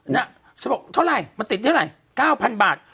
และฉันบอกเท่าไรมาติดเท่าไร๙๐๐๐บาท